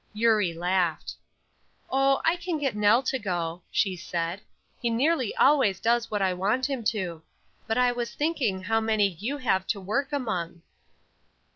Eurie laughed. "Oh, I can get Nell to go," she said. "He nearly always does what I want him to. But I was thinking how many you have to work among."